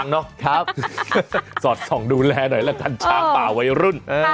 ส่องช้างเนอะสอดส่องดูแลหน่อยละกันช้างป่าวัยรุ่น